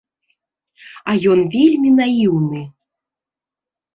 А ён вельмі наіўны.